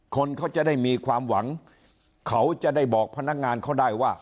คนเขาจะได้มีความหวังเขาจะได้บอกพนักงานเขาได้ว่า